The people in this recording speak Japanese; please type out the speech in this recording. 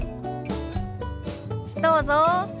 どうぞ。